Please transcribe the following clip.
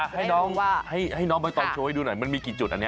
ให้น้องมาตอนโชว์ให้ดูหน่อยมันมีกี่จุดอันนี้